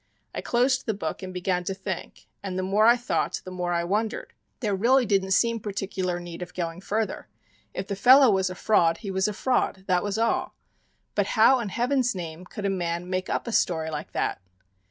I closed the book and began to think, and the more I thought the more I wondered. There really didn't seem particular need of going further. If the fellow was a fraud, he was a fraud, that was all. But how in Heaven's name could a man make up a story like that!